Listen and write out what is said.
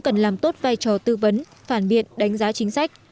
cần làm tốt vai trò tư vấn phản biện đánh giá chính sách